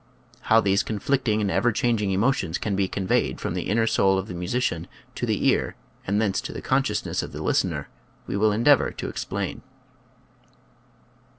How these con flicting and ever changing emotions can be conveyed from the inner soul of the musician to the ear and thence to the consciousness of the listener we will endeavor to explain.